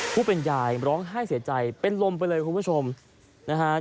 ผู้เป็นยายร้องไห้เสียใจเป็นลมไปเลยคุณผู้ชมนะฮะ